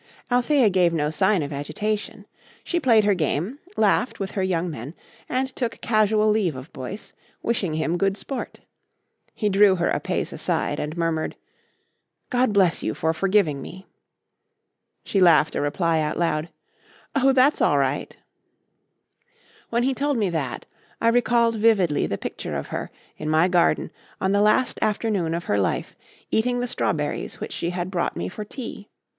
Althea gave no sign of agitation. She played her game, laughed with her young men, and took casual leave of Boyce, wishing him good sport. He drew her a pace aside and murmured: "God bless you for forgiving me." She laughed a reply out loud: "Oh, that's all right." When he told me that, I recalled vividly the picture of her, in my garden, on the last afternoon of her life, eating the strawberries which she had brought me for tea.